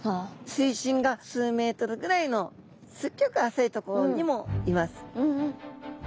水深が数ｍぐらいのすっギョく浅い所にもいます。